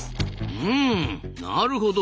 うんなるほど。